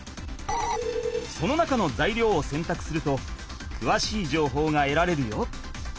その中のざいりょうをせんたくするとくわしいじょうほうがえられるよ。